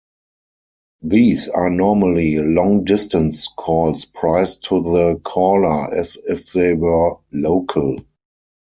These are normally long-distance calls priced to the caller as if they were local.